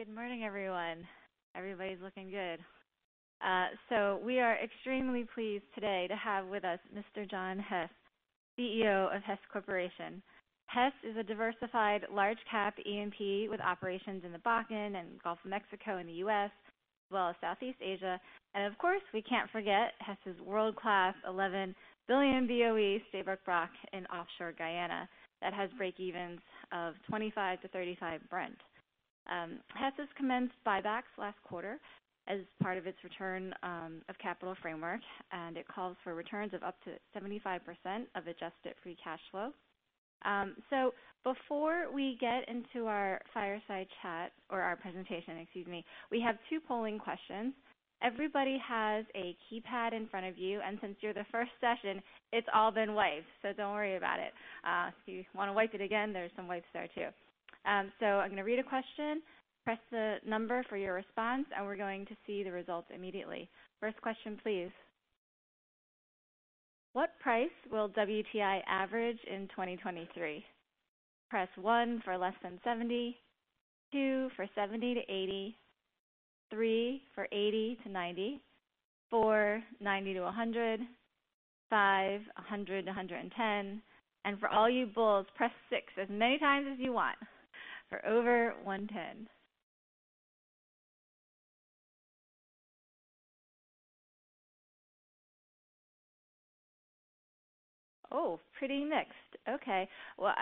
All right. Good morning, everyone. Everybody's looking good. We are extremely pleased today to have with us Mr. John Hess, Chief Executive Officer of Hess Corporation. Hess is a diversified large cap E&P with operations in the Bakken and Gulf of Mexico in the U.S., as well as Southeast Asia. Of course, we can't forget Hess's world-class 11 billion BOE Stabroek Block in offshore Guyana that has breakevens of $25-$35 Brent. Hess has commenced buybacks last quarter as part of its return of capital framework, and it calls for returns of up to 75% of adjusted free cash flow. Before we get into our fireside chat or our presentation, excuse me, we have two polling questions. Everybody has a keypad in front of you, and since you're the first session, it's all been wiped, so don't worry about it. If you wanna wipe it again, there's some wipes there too. So I'm gonna read a question, press the number for your response, and we're going to see the results immediately. First question, please. What price will WTI average in 2023? Press one for less than $70, two for $70-$80, three for $80-$90, four $90-$100, five $100-$110. And for all you bulls, press six as many times as you want for over $110. Pretty mixed. Well,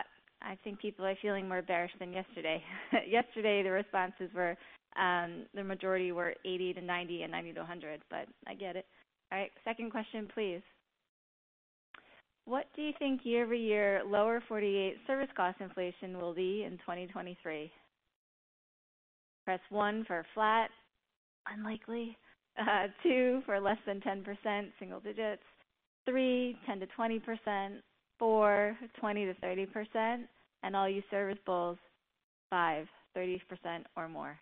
I think people are feeling more bearish than yesterday. Yesterday, the responses were, the majority were $80-$90 and $90-$100, but I get it. All right. Second question, please. What do you think year-over-year lower forty-eight service cost inflation will be in 2023? Press one for flat, unlikely, two for less than 10%, single digits, three 10%-20%, four 20%-30%, and all you service bulls, five, 30% or more.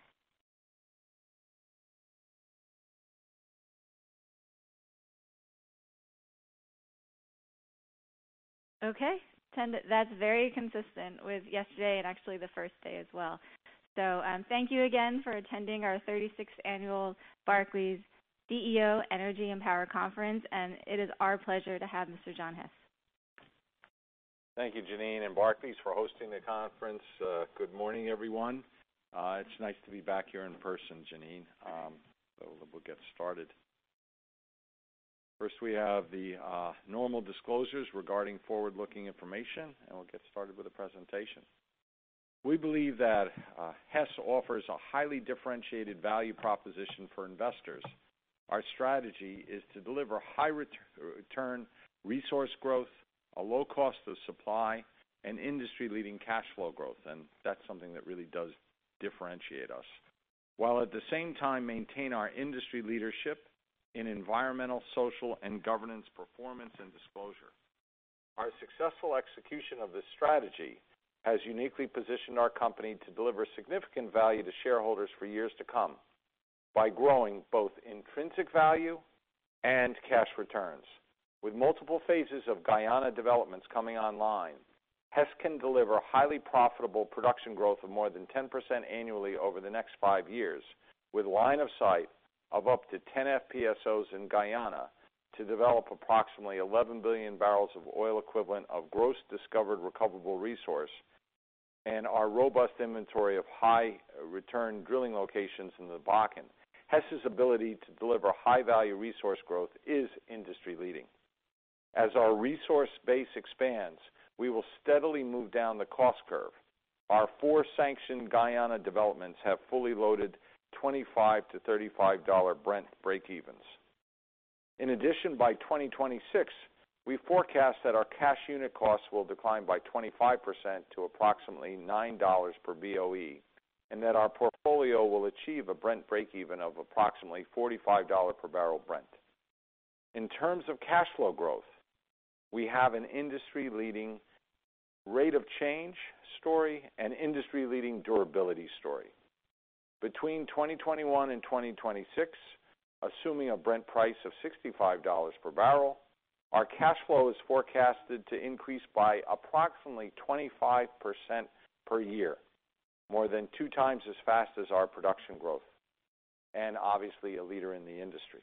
Okay. That's very consistent with yesterday and actually the first day as well. Thank you again for attending our 36th Annual Barclays CEO Energy and Power Conference, and it is our pleasure to have Mr. John Hess. Thank you, Janine and Barclays for hosting the conference. Good morning, everyone. It's nice to be back here in person, Janine. We'll get started. First, we have the normal disclosures regarding forward-looking information, and we'll get started with the presentation. We believe that Hess offers a highly differentiated value proposition for investors. Our strategy is to deliver high return resource growth, a low cost of supply, and industry-leading cash flow growth. That's something that really does differentiate us, while at the same time maintain our industry leadership in environmental, social, and governance performance and disclosure. Our successful execution of this strategy has uniquely positioned our company to deliver significant value to shareholders for years to come by growing both intrinsic value and cash returns. With multiple phases of Guyana developments coming online, Hess can deliver highly profitable production growth of more than 10% annually over the next 5 years, with line of sight of up to 10 FPSOs in Guyana to develop approximately 11 billion barrels of oil equivalent of gross discovered recoverable resource. Our robust inventory of high-return drilling locations in the Bakken. Hess's ability to deliver high-value resource growth is industry-leading. As our resource base expands, we will steadily move down the cost curve. Our four sanctioned Guyana developments have fully loaded $25-$35 Brent breakevens. In addition, by 2026, we forecast that our cash unit costs will decline by 25% to approximately $9 per BOE, and that our portfolio will achieve a Brent breakeven of approximately $45 per barrel Brent. In terms of cash flow growth, we have an industry-leading rate of change story and industry-leading durability story. Between 2021 and 2026, assuming a Brent price of $65 per barrel, our cash flow is forecasted to increase by approximately 25% per year, more than 2x as fast as our production growth, and obviously a leader in the industry.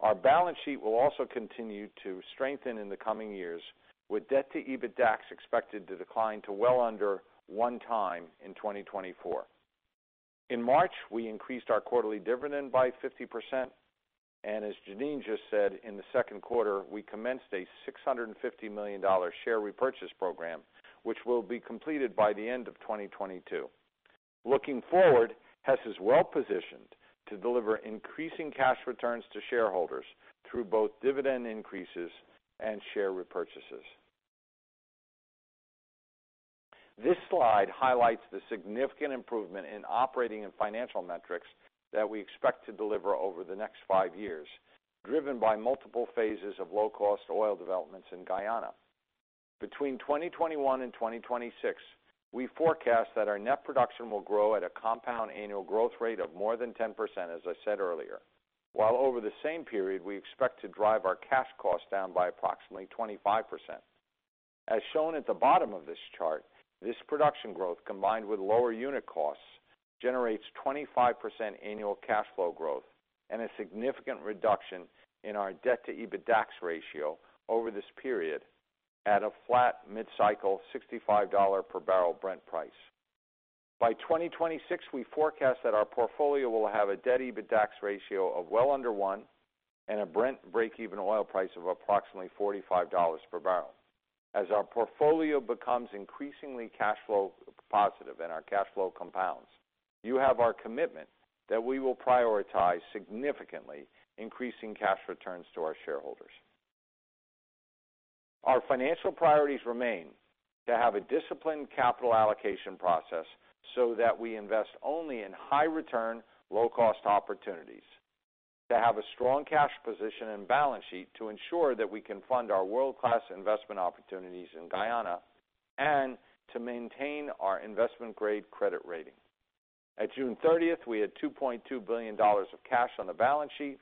Our balance sheet will also continue to strengthen in the coming years, with debt to EBITDAX expected to decline to well under 1x in 2024. In March, we increased our quarterly dividend by 50%. As Janine just said, in the second quarter, we commenced a $650 million share repurchase program, which will be completed by the end of 2022. Looking forward, Hess is well positioned to deliver increasing cash returns to shareholders through both dividend increases and share repurchases. This slide highlights the significant improvement in operating and financial metrics that we expect to deliver over the next five years, driven by multiple phases of low-cost oil developments in Guyana. Between 2021 and 2026, we forecast that our net production will grow at a compound annual growth rate of more than 10%, as I said earlier. While over the same period, we expect to drive our cash costs down by approximately 25%. As shown at the bottom of this chart, this production growth combined with lower unit costs generates 25% annual cash flow growth and a significant reduction in our debt-to-EBITDAX ratio over this period at a flat mid-cycle $65 per barrel Brent price. By 2026, we forecast that our portfolio will have a debt-EBITDAX ratio of well under one and a Brent breakeven oil price of approximately $45 per barrel. As our portfolio becomes increasingly cash flow positive and our cash flow compounds, you have our commitment that we will prioritize significantly increasing cash returns to our shareholders. Our financial priorities remain to have a disciplined capital allocation process so that we invest only in high return, low cost opportunities, to have a strong cash position and balance sheet to ensure that we can fund our world-class investment opportunities in Guyana, and to maintain our investment-grade credit rating. At June 30th, we had $2.2 billion of cash on the balance sheet.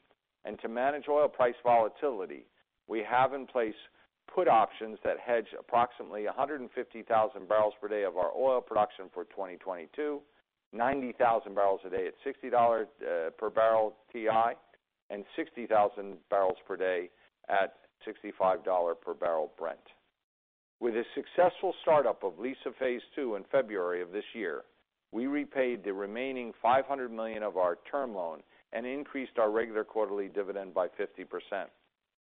To manage oil price volatility, we have in place put options that hedge approximately 150,000 barrels per day of our oil production for 2022, 90,000 barrels a day at $60 per barrel WTI, and 60,000 barrels per day at $65 per barrel Brent. With a successful startup of Liza Phase II in February of this year, we repaid the remaining $500 million of our term loan and increased our regular quarterly dividend by 50%.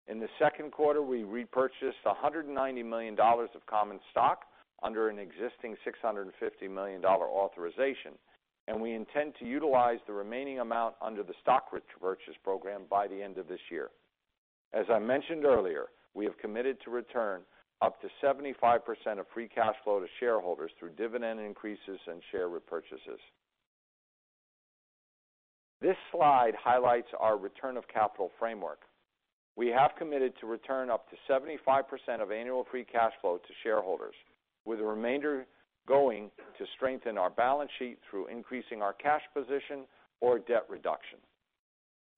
In the second quarter, we repurchased $190 million of common stock under an existing $650 million authorization, and we intend to utilize the remaining amount under the stock repurchase program by the end of this year. As I mentioned earlier, we have committed to return up to 75% of free cash flow to shareholders through dividend increases and share repurchases. This slide highlights our return of capital framework. We have committed to return up to 75% of annual free cash flow to shareholders, with the remainder going to strengthen our balance sheet through increasing our cash position or debt reduction.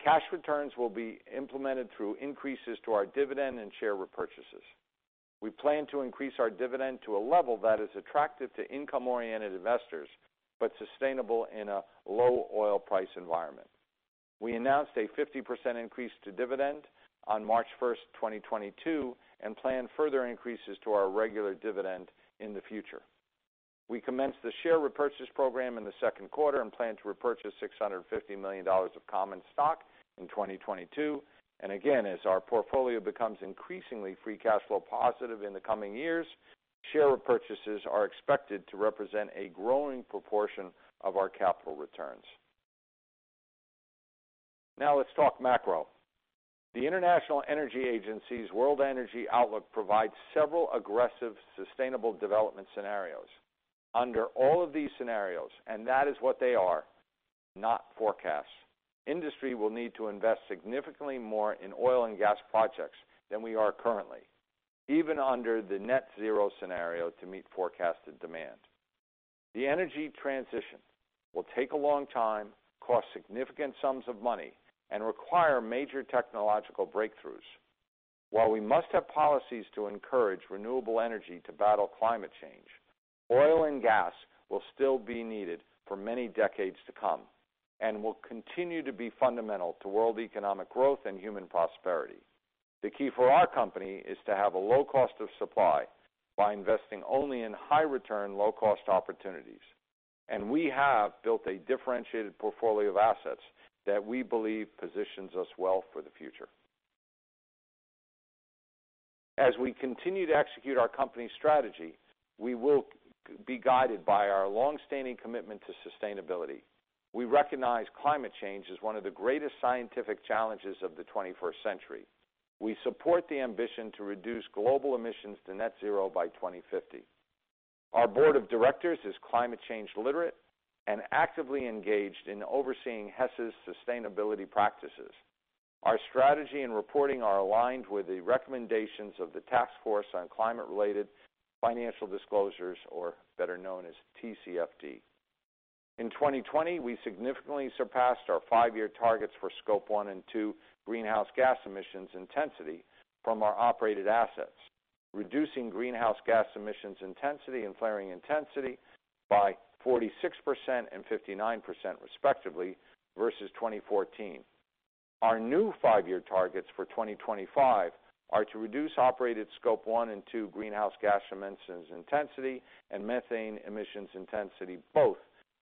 Cash returns will be implemented through increases to our dividend and share repurchases. We plan to increase our dividend to a level that is attractive to income-oriented investors, but sustainable in a low oil price environment. We announced a 50% increase to dividend on March 1st, 2022, and plan further increases to our regular dividend in the future. We commenced the share repurchase program in the second quarter and plan to repurchase $650 million of common stock in 2022. Again, as our portfolio becomes increasingly free cash flow positive in the coming years, share repurchases are expected to represent a growing proportion of our capital returns. Now let's talk macro. The International Energy Agency's World Energy Outlook provides several aggressive, sustainable development scenarios. Under all of these scenarios, and that is what they are, not forecasts, industry will need to invest significantly more in oil and gas projects than we are currently, even under the net zero scenario to meet forecasted demand. The energy transition will take a long time, cost significant sums of money, and require major technological breakthroughs. While we must have policies to encourage renewable energy to battle climate change, oil and gas will still be needed for many decades to come and will continue to be fundamental to world economic growth and human prosperity. The key for our company is to have a low cost of supply by investing only in high return, low cost opportunities. We have built a differentiated portfolio of assets that we believe positions us well for the future. As we continue to execute our company's strategy, we will be guided by our long-standing commitment to sustainability. We recognize climate change as one of the greatest scientific challenges of the 21st century. We support the ambition to reduce global emissions to net zero by 2050. Our board of directors is climate change literate and actively engaged in overseeing Hess's sustainability practices. Our strategy and reporting are aligned with the recommendations of the Task Force on Climate-related Financial Disclosures, or better known as TCFD. In 2020, we significantly surpassed our five-year targets for Scope One and Two greenhouse gas emissions intensity from our operated assets, reducing greenhouse gas emissions intensity and flaring intensity by 46% and 59%, respectively, versus 2014. Our new five-year targets for 2025 are to reduce operated Scope One and Two greenhouse gas emissions intensity and methane emissions intensity both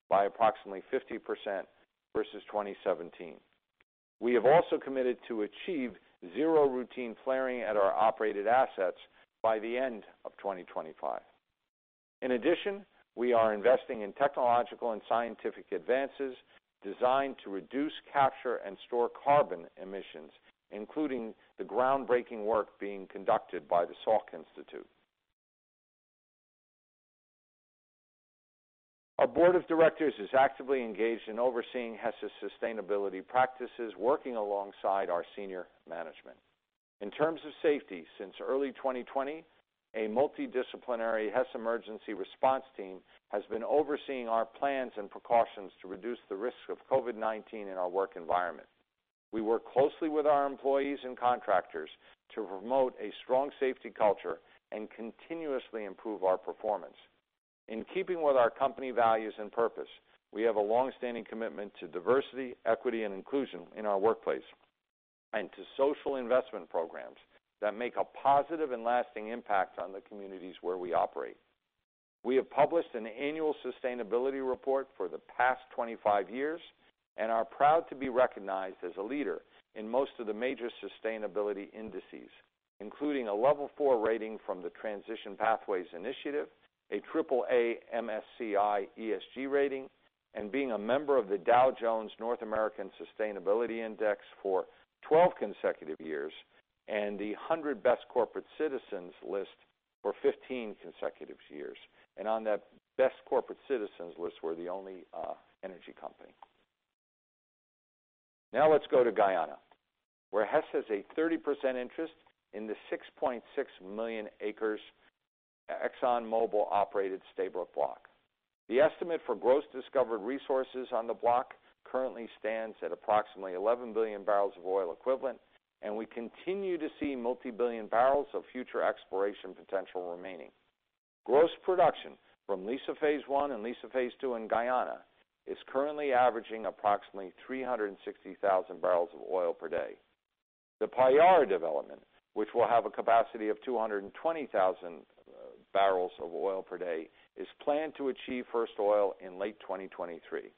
by approximately 50% versus 2017. We have also committed to achieve zero routine flaring at our operated assets by the end of 2025. In addition, we are investing in technological and scientific advances designed to reduce, capture, and store carbon emissions, including the groundbreaking work being conducted by the Salk Institute. Our board of directors is actively engaged in overseeing Hess's sustainability practices, working alongside our senior management. In terms of safety, since early 2020, a multidisciplinary Hess Emergency Response Team has been overseeing our plans and precautions to reduce the risk of COVID-19 in our work environment. We work closely with our employees and contractors to promote a strong safety culture and continuously improve our performance. In keeping with our company values and purpose, we have a long-standing commitment to diversity, equity, and inclusion in our workplace, and to social investment programs that make a positive and lasting impact on the communities where we operate. We have published an annual sustainability report for the past 25 years and are proud to be recognized as a leader in most of the major sustainability indices, including a level 4 rating from the Transition Pathway Initiative, a AAA MSCI ESG rating, and being a member of the Dow Jones Sustainability North America Index for 12 consecutive years and the 100 Best Corporate Citizens list for 15 consecutive years. On that Best Corporate Citizens list, we're the only energy company. Now let's go to Guyana, where Hess has a 30% interest in the 6.6 million acres ExxonMobil-operated Stabroek Block. The estimate for gross discovered resources on the block currently stands at approximately 11 billion barrels of oil equivalent, and we continue to see multi-billion barrels of future exploration potential remaining. Gross production from Liza Phase I and Liza Phase II in Guyana is currently averaging approximately 360,000 barrels of oil per day. The Payara development, which will have a capacity of 220,000 barrels of oil per day, is planned to achieve first oil in late 2023.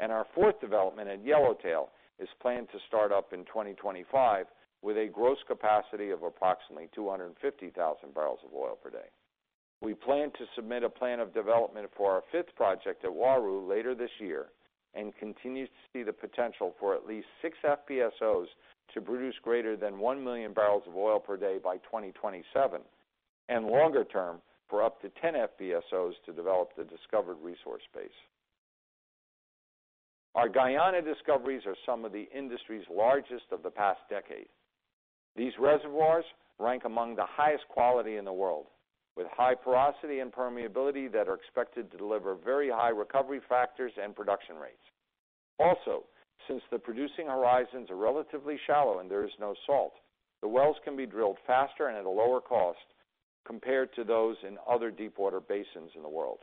Our fourth development at Yellowtail is planned to start up in 2025 with a gross capacity of approximately 250,000 barrels of oil per day. We plan to submit a plan of development for our fifth project at Uaru later this year, and continue to see the potential for at least six FPSOs to produce greater than 1 million barrels of oil per day by 2027, and longer-term, for up to 10 FPSOs to develop the discovered resource base. Our Guyana discoveries are some of the industry's largest of the past decade. These reservoirs rank among the highest quality in the world, with high porosity and permeability that are expected to deliver very high recovery factors and production rates. Also, since the producing horizons are relatively shallow and there is no salt, the wells can be drilled faster and at a lower cost compared to those in other deepwater basins in the world.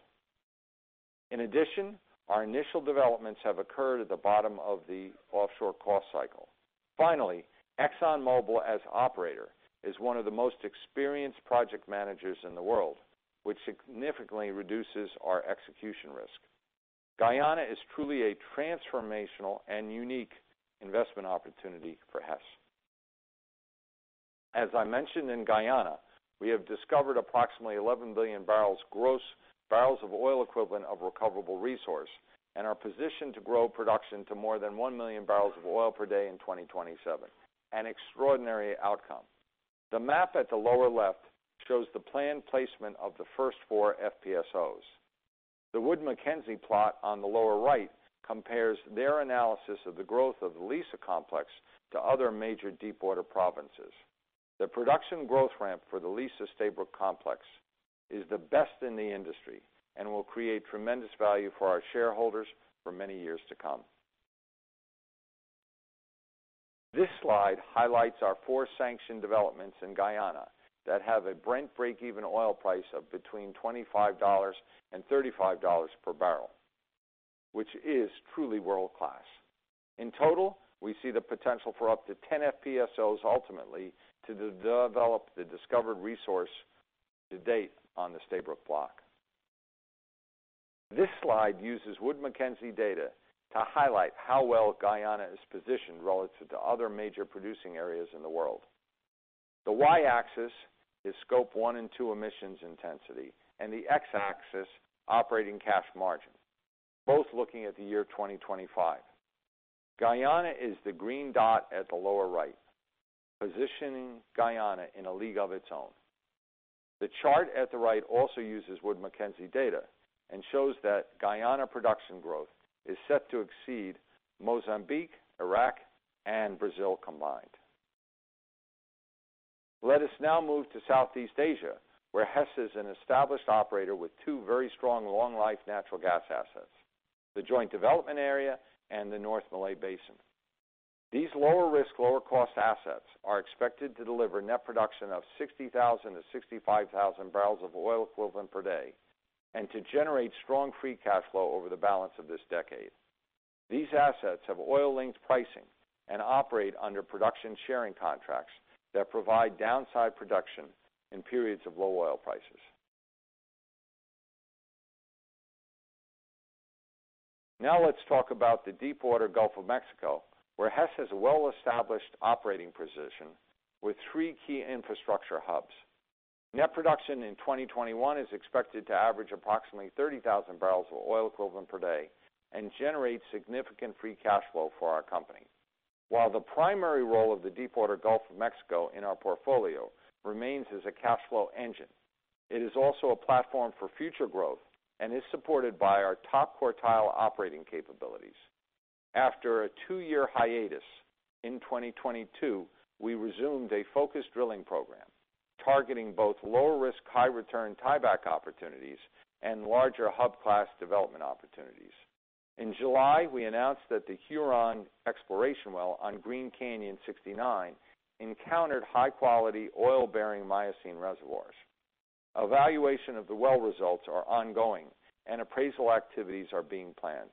In addition, our initial developments have occurred at the bottom of the offshore cost cycle. Finally, ExxonMobil as operator is one of the most experienced project managers in the world, which significantly reduces our execution risk. Guyana is truly a transformational and unique investment opportunity for Hess. As I mentioned in Guyana, we have discovered approximately 11 billion barrels gross barrels of oil equivalent of recoverable resource and are positioned to grow production to more than 1 million barrels of oil per day in 2027, an extraordinary outcome. The map at the lower left shows the planned placement of the first four FPSOs. The Wood Mackenzie plot on the lower right compares their analysis of the growth of the Liza complex to other major deepwater provinces. The production growth ramp for the Liza Stabroek complex is the best in the industry and will create tremendous value for our shareholders for many years to come. This slide highlights our four sanctioned developments in Guyana that have a Brent breakeven oil price of between $25 per barrel and $35 per barrel, which is truly world-class. In total, we see the potential for up to 10 FPSOs ultimately to de-develop the discovered resource to date on the Stabroek Block. This slide uses Wood Mackenzie data to highlight how well Guyana is positioned relative to other major producing areas in the world. The y-axis is Scope 1 and Scope 2 emissions intensity and the x-axis operating cash margin, both looking at the year 2025. Guyana is the green dot at the lower right, positioning Guyana in a league of its own. The chart at the right also uses Wood Mackenzie data and shows that Guyana production growth is set to exceed Mozambique, Iraq, and Brazil combined. Let us now move to Southeast Asia, where Hess is an established operator with two very strong long-life natural gas assets, the Joint Development Area and the North Malay Basin. These lower risk, lower cost assets are expected to deliver net production of 60,000 barrels-65,000 barrels of oil equivalent per day and to generate strong free cash flow over the balance of this decade. These assets have oil-linked pricing and operate under production sharing contracts that provide downside production in periods of low oil prices. Now let's talk about the deepwater Gulf of Mexico, where Hess has a well-established operating position with three key infrastructure hubs. Net production in 2021 is expected to average approximately 30,000 barrels of oil equivalent per day and generate significant free cash flow for our company. While the primary role of the deepwater Gulf of Mexico in our portfolio remains as a cash flow engine, it is also a platform for future growth and is supported by our top quartile operating capabilities. After a two-year hiatus, in 2022, we resumed a focused drilling program, targeting both low risk, high return tieback opportunities and larger hub class development opportunities. In July, we announced that the Huron exploration well on Green Canyon Block 69 encountered high quality oil-bearing Miocene reservoirs. Evaluation of the well results are ongoing and appraisal activities are being planned.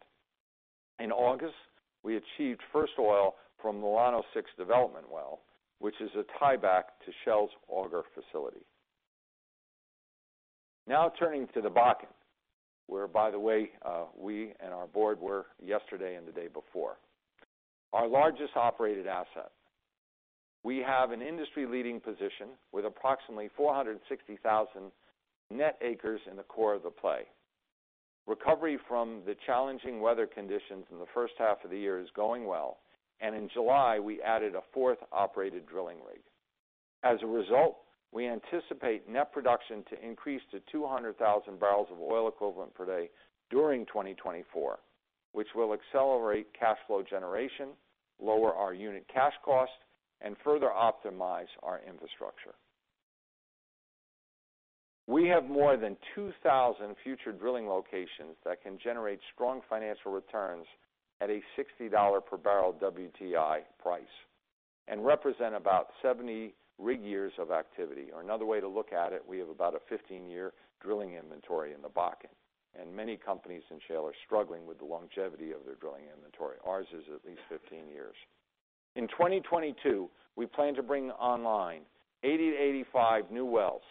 In August, we achieved first oil from Llano-6 development well, which is a tieback to Shell's Auger facility. Now turning to the Bakken, where, by the way, we and our board were yesterday and the day before. Our largest operated asset. We have an industry-leading position with approximately 460,000 net acres in the core of the play. Recovery from the challenging weather conditions in the first half of the year is going well, and in July, we added a fourth operated drilling rig. As a result, we anticipate net production to increase to 200,000 barrels of oil equivalent per day during 2024, which will accelerate cash flow generation, lower our unit cash cost, and further optimize our infrastructure. We have more than 2,000 future drilling locations that can generate strong financial returns at a $60 per barrel WTI price and represent about 70 rig years of activity. Or another way to look at it, we have about a 15-year drilling inventory in the Bakken, and many companies in shale are struggling with the longevity of their drilling inventory. Ours is at least 15 years. In 2022, we plan to bring online 80 new wells-85 new wells.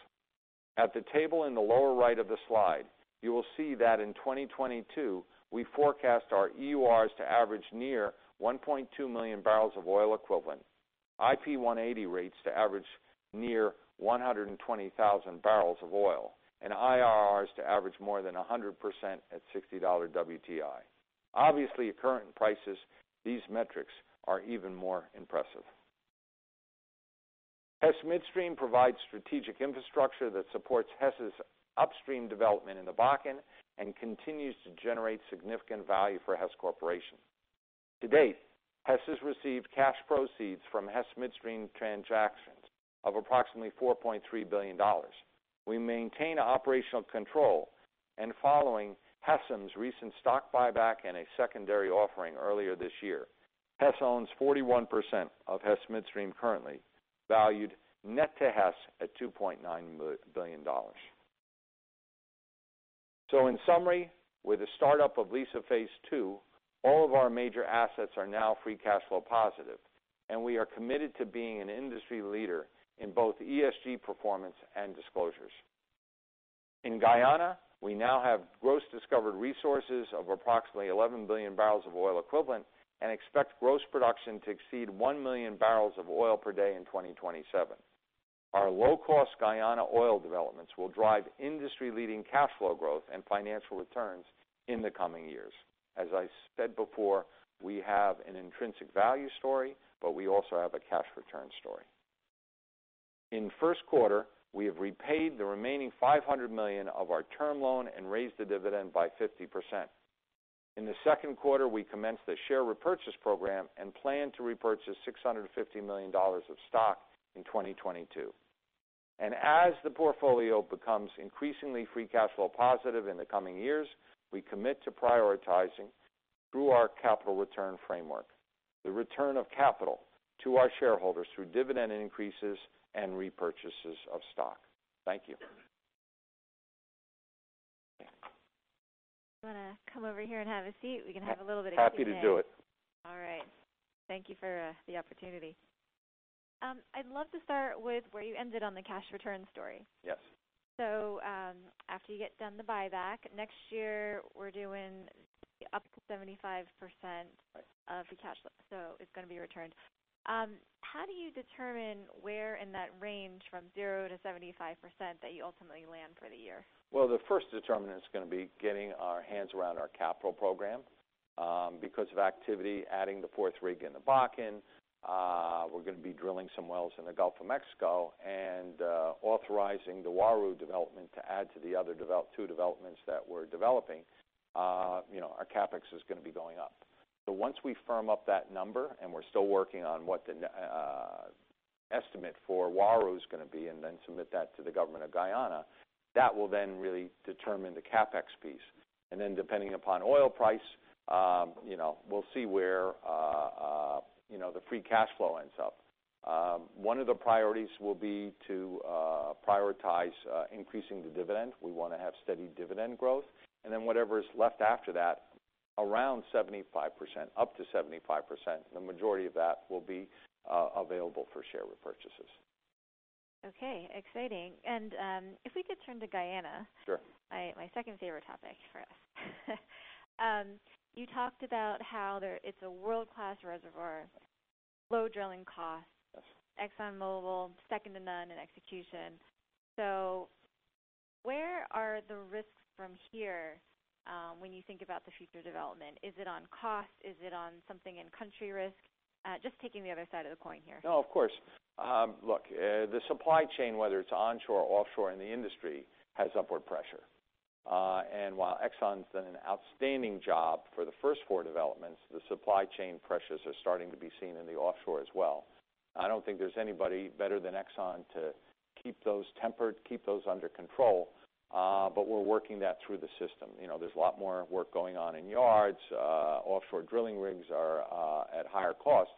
At the table in the lower right of the slide, you will see that in 2022, we forecast our EURs to average near 1.2 million barrels of oil equivalent, IP180 rates to average near 120,000 barrels of oil, and IRRs to average more than 100% at $60 WTI. Obviously, at current prices, these metrics are even more impressive. Hess Midstream provides strategic infrastructure that supports Hess' upstream development in the Bakken and continues to generate significant value for Hess Corporation. To date, Hess has received cash proceeds from Hess Midstream transactions of approximately $4.3 billion. We maintain operational control, and following Hess Midstream's recent stock buyback and a secondary offering earlier this year, Hess owns 41% of Hess Midstream currently, valued net to Hess at $2.9 billion. In summary, with the startup of Liza Phase II, all of our major assets are now free cash flow positive, and we are committed to being an industry leader in both ESG performance and disclosures. In Guyana, we now have gross discovered resources of approximately 11 billion barrels of oil equivalent and expect gross production to exceed 1 million barrels of oil per day in 2027. Our low-cost Guyana oil developments will drive industry-leading cash flow growth and financial returns in the coming years. As I said before, we have an intrinsic value story, but we also have a cash return story. In first quarter, we have repaid the remaining $500 million of our term loan and raised the dividend by 50%. In the second quarter, we commenced the share repurchase program and plan to repurchase $650 million of stock in 2022. As the portfolio becomes increasingly free cash flow positive in the coming years, we commit to prioritizing through our capital return framework, the return of capital to our shareholders through dividend increases and repurchases of stock. Thank you. You wanna come over here and have a seat? We can have a little bit of a Q&A. Happy to do it. All right. Thank you for the opportunity. I'd love to start with where you ended on the cash return story. Yes. After you get done the buyback, next year we're doing up to 75%. Right. Of the cash flow, so it's gonna be returned. How do you determine where in that range from 0%-75% that you ultimately land for the year? Well, the first determinant is gonna be getting our hands around our capital program, because of activity adding the fourth rig in the Bakken, we're gonna be drilling some wells in the Gulf of Mexico and authorizing the Uaru development to add to the other two developments that we're developing. You know, our CapEx is gonna be going up. Once we firm up that number, and we're still working on what the estimate for Uaru is gonna be and then submit that to the government of Guyana, that will then really determine the CapEx piece. Depending upon oil price, you know, we'll see where the free cash flow ends up. One of the priorities will be to prioritize increasing the dividend. We wanna have steady dividend growth. Whatever is left after that, around 75%, up to 75%, the majority of that will be available for share repurchases. Okay, exciting. If we could turn to Guyana. Sure. My second favorite topic for us. You talked about how it's a world-class reservoir, low drilling costs. Yes. ExxonMobil, second to none in execution. Where are the risks from here, when you think about the future development? Is it on cost? Is it on something in-country risk? Just taking the other side of the coin here. No, of course. Look, the supply chain, whether it's onshore or offshore in the industry, has upward pressure. While Exxon's done an outstanding job for the first four developments, the supply chain pressures are starting to be seen in the offshore as well. I don't think there's anybody better than Exxon to keep those tempered, keep those under control, but we're working that through the system. You know, there's a lot more work going on in yards. Offshore drilling rigs are at higher cost.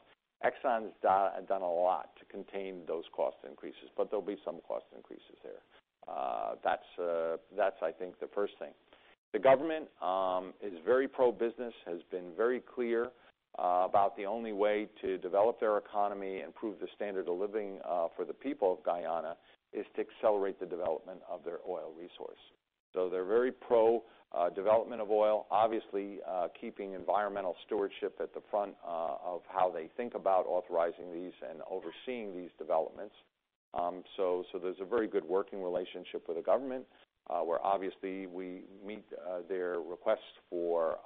Exxon's done a lot to contain those cost increases, but there'll be some cost increases there. That's, I think, the first thing. The government is very pro-business, has been very clear about the only way to develop their economy, improve the standard of living for the people of Guyana is to accelerate the development of their oil resource. They're very pro development of oil, obviously, keeping environmental stewardship at the front of how they think about authorizing these and overseeing these developments. There's a very good working relationship with the government, where obviously we meet their requests for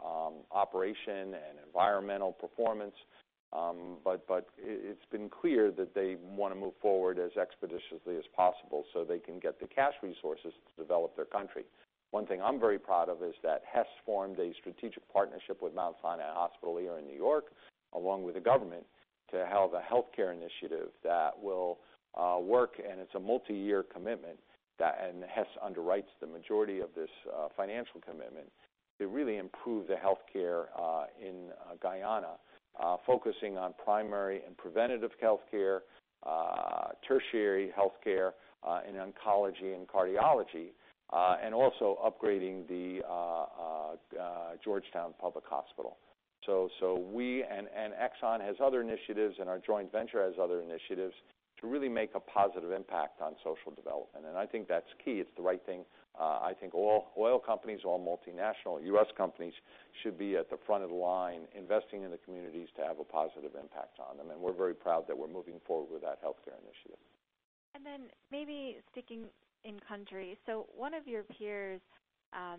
operation and environmental performance. It's been clear that they wanna move forward as expeditiously as possible so they can get the cash resources to develop their country. One thing I'm very proud of is that Hess formed a strategic partnership with Mount Sinai Health System here in New York, along with the government, to have a healthcare initiative that will work, and it's a multiyear commitment that and Hess underwrites the majority of this financial commitment to really improve the healthcare in Guyana, focusing on primary and preventative healthcare, tertiary healthcare, and oncology and cardiology, and also upgrading the Georgetown Public Hospital. We and ExxonMobil has other initiatives and our joint venture has other initiatives to really make a positive impact on social development. I think that's key. It's the right thing. I think all oil companies, all multinational U.S. companies should be at the front of the line investing in the communities to have a positive impact on them. We're very proud that we're moving forward with that healthcare initiative. Maybe sticking in country. One of your peers,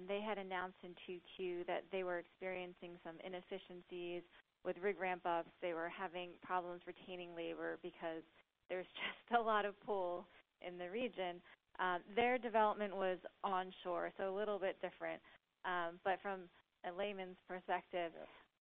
they had announced in 2022 that they were experiencing some inefficiencies with rig ramp-ups. They were having problems retaining labor because there's just a lot of pull in the region. Their development was onshore, so a little bit different. But from a layman's perspective,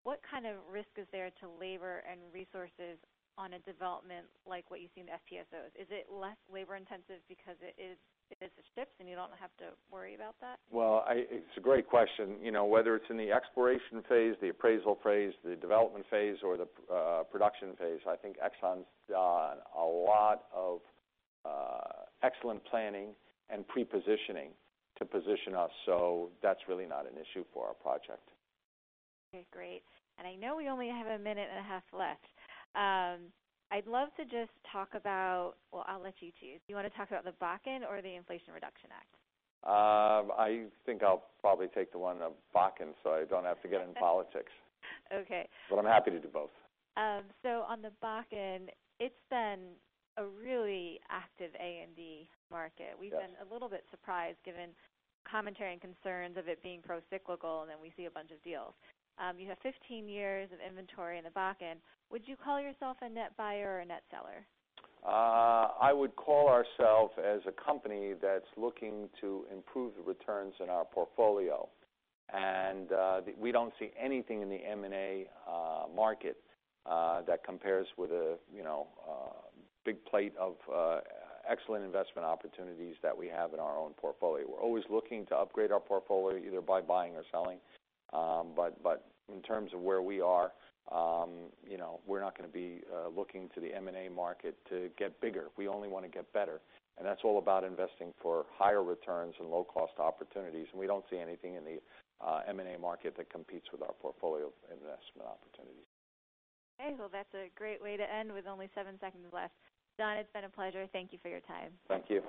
what kind of risk is there to labor and resources on a development like what you see in the FPSOs? Is it less labor intensive because it is a ship, and you don't have to worry about that? Well, it's a great question. You know, whether it's in the exploration phase, the appraisal phase, the development phase or the production phase, I think ExxonMobil's done a lot of excellent planning and pre-positioning to position us. That's really not an issue for our project. Okay, great. I know we only have a minute and a half left. I'd love to just talk about. Well, I'll let you choose. Do you wanna talk about the Bakken or the Inflation Reduction Act? I think I'll probably take the one of Bakken so I don't have to get in politics. Okay. I'm happy to do both. On the Bakken, it's been a really active M&A market. Yeah. We've been a little bit surprised given commentary and concerns of it being procyclical, and then we see a bunch of deals. You have 15 years of inventory in the Bakken. Would you call yourself a net buyer or a net seller? I would call ourselves as a company that's looking to improve the returns in our portfolio. We don't see anything in the M&A market that compares with a, you know, big plate of excellent investment opportunities that we have in our own portfolio. We're always looking to upgrade our portfolio either by buying or selling. But in terms of where we are, you know, we're not gonna be looking to the M&A market to get bigger. We only wanna get better, and that's all about investing for higher returns and low cost opportunities. We don't see anything in the M&A market that competes with our portfolio investment opportunities. Okay. Well, that's a great way to end with only seven seconds left. John, it's been a pleasure. Thank you for your time. Thank you.